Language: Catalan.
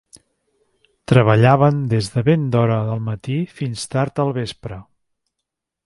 Treballaven des de ben d'hora al matí fins tard al vespre.